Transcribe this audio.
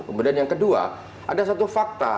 kemudian yang kedua ada satu fakta